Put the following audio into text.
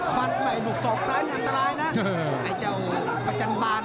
ฟันใหม่ลูกศอกซ้ายนี่อันตรายนะไอ้เจ้าประจันบาล